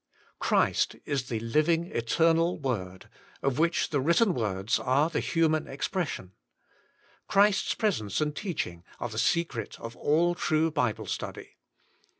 Christ is the living eternal Word, of which the written words are the human expres sion. Christ's presence and teaching are the secret of all true Bible study.